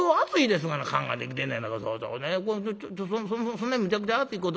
そんなにむちゃくちゃ熱いこと